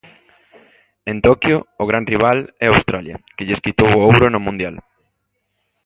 En Toquio o gran rival é Australia, que lles quitou o ouro no Mundial.